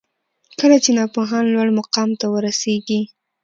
کله چي ناپوهان لوړ مقام ته ورسیږي